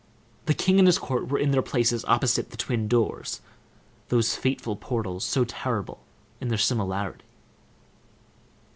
The king and his court were in their places, opposite the twin doors, those fateful portals, so terrible in their similarity.